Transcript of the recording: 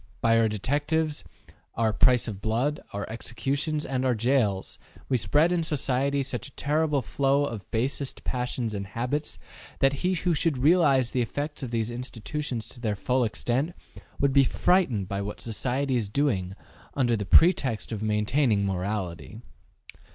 By our detectives, our `price of blood,' our executions, and our jails, we spread in society such a terrible flow of basest passions and habits, that he who should realize the effects of these institutions to their full extent, would be frightened by what society is doing under the pretext of maintaining morality.